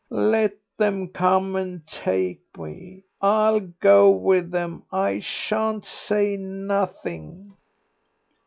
Let them come and take me. I'll go with them. I shan't say nothing."